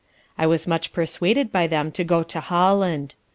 I was much persuaded by them to go to Holland.